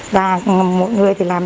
và mọi người thì làm